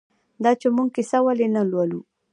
دا چې موږ کیسه ولې نه لولو؟